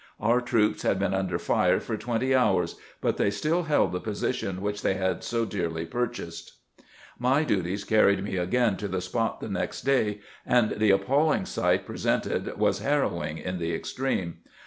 Our troops had been under fire for twenty hours, but they still held the posi tion which they had so dearly purchased. My duties carried me again to the spot the next day, and the appalling sight presented was harrowing in the extreme.